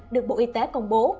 được bộ y tế công bố